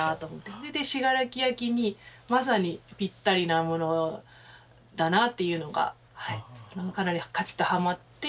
それで信楽焼にまさにぴったりなものだなっていうのがかなりかちっとハマって。